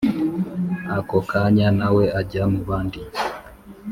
ako kanya nawe ajya mubandi